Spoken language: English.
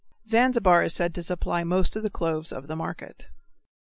Zanzibar is said to supply most of the cloves of the market.